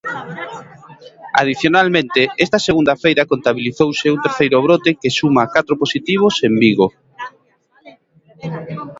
Adicionalmente, esta segunda feira contabilizouse un terceiro brote que suma catro positivos en Vigo.